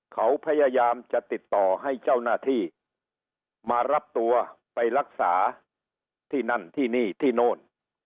เขาพยายามจะติดต่อให้เจ้าหน้าที่มารับตัวไปรักษาที่นั่นที่นี่ที่โน่น